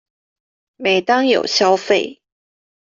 每當有消費